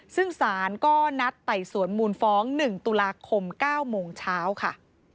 ซึ่งศาลก็นัดไต่สวนมูลฟ้อง๑ตุลาคม๙โมงเช้าค่ะ